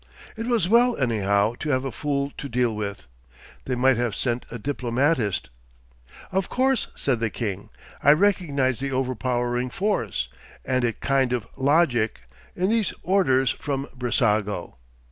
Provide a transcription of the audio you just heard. It was well, anyhow, to have a fool to deal with. They might have sent a diplomatist. 'Of course,' said the king, 'I recognise the overpowering force—and a kind of logic—in these orders from Brissago.